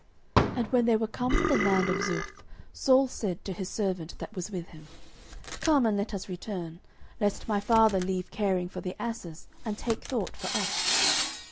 09:009:005 And when they were come to the land of Zuph, Saul said to his servant that was with him, Come, and let us return; lest my father leave caring for the asses, and take thought for us.